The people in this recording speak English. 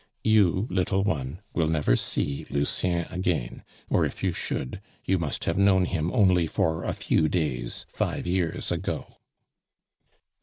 You, little one, will never see Lucien again; or if you should, you must have known him only for a few days, five years ago."